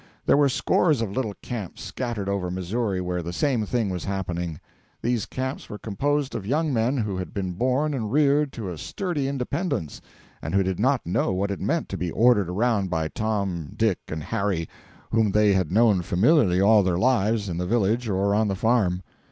There were scores of little camps scattered over Missouri where the same thing was happening. These camps were composed of young men who had been born and reared to a sturdy independence, and who did not know what it meant to be ordered around by Tom, Dick, and Harry, whom they had known familiarly all their lives, in the village or on the farm.